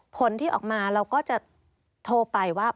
ผลที่ออกมาเราก็จะโทรไปว่า